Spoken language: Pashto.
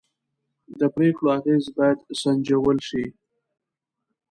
د پرېکړو اغېز باید سنجول شي